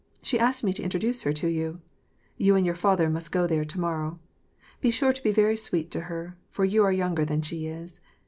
She asked me to introduce her to you. You and your father must go there to morrow. Be sure to be very sweet to her, for you are younger than she is.